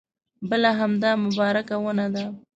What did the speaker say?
بل همدا مبارکه ونه ده.